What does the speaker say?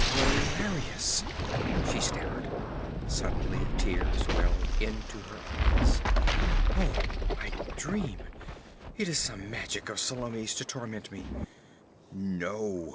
'Valerius!' she stammered. Suddenly tears welled into her eyes. 'Oh, I dream! It is some magic of Salome's to torment me!' 'No!'